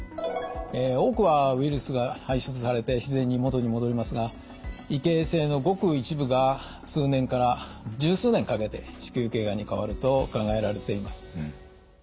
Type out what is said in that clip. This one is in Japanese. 多くはウイルスが排出されて自然に元に戻りますが異形成のごく一部が数年から１０数年かけて子宮頸がんに変わると考えられています。